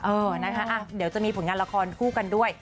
เออนะคะเดี๋ยวจะมีผลงานละครคู่กันด้วย